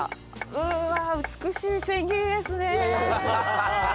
うわあ美しい千切りですね！